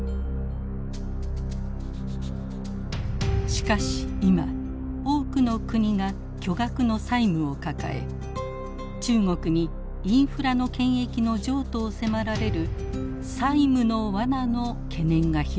しかし今多くの国が巨額の債務を抱え中国にインフラの権益の譲渡を迫られる債務のわなの懸念が広がっています。